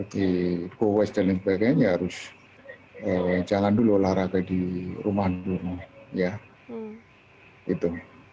di go west dan sebagainya harus jalan dulu olahraga di rumah dulu